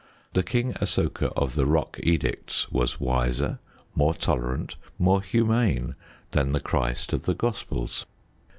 The King Asoka of the Rock Edicts was wiser, more tolerant, more humane than the Christ of the Gospels.